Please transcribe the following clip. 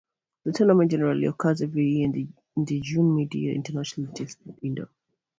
The tournament generally occurs every year in the June mid-year international test window.